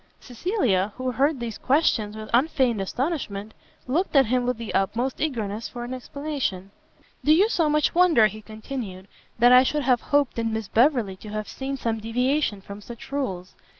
Cecilia, who heard these questions with unfeigned astonishment, looked at him with the utmost eagerness for an explanation. "Do you so much wonder," he continued, "that I should have hoped in Miss Beverley to have seen some deviation from such rules?